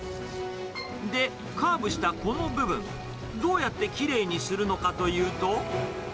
で、カーブしたこの部分、どうやってきれいにするのかというと。